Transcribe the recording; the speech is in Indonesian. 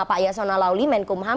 pak yasona lawli menkumham